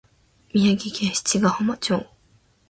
宮城県七ヶ浜町